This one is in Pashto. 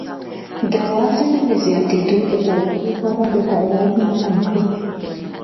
د وزن د زیاتیدو د دوام لپاره د تایرايډ معاینه وکړئ